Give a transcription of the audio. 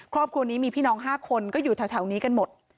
ครอบครัวนี้มีพี่น้อง๕คนก็อยู่แถวนี้กันหมด